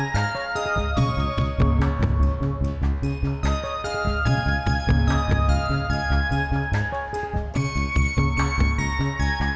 seorang model yang banyak